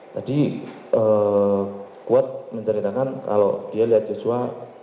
tadi kuat mencari tangan kalau dia lihat joshua